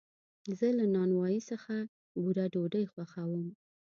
زه له نانوایي څخه بوره ډوډۍ خوښوم.